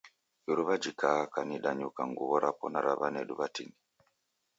Iruw'a jikaaka nidanyuka nguw'o rapo na ra w'anedu w'atini.